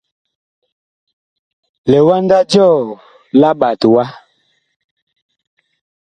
Liwanda jɔɔ la ɓat wa.